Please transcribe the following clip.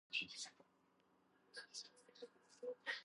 რომაელთა მორალური მდგომარეობა ძალიან მძიმე იყო.